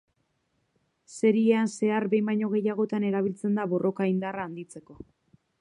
Seriean zehar behin baino gehiagotan erabiltzen da borroka indarra handitzeko.